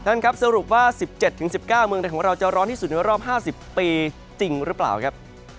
ครับสรุปว่า๑๗๑๙เมืองไทยของเราจะร้อนที่สุดในรอบ๕๐ปีจริงหรือเปล่าครับ